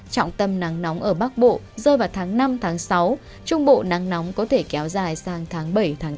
trọng tâm nắng nóng ở bắc bộ rơi vào tháng năm sáu trung bộ nắng nóng có thể kéo dài sang tháng bảy tám